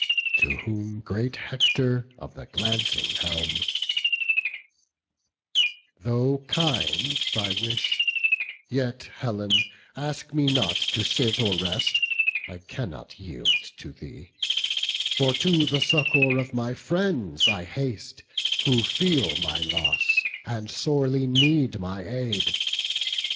To whom great Hector of the glancing helm: "Though kind thy wish, yet, Helen, ask me not To sit or rest; I cannot yield to thee: For to the succour of our friends I haste, Who feel my loss, and sorely need my aid.